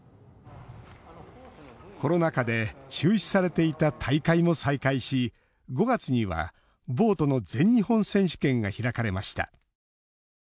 コロナ禍で中止されていた大会も再開し５月にはボートの全日本選手権が開かれました。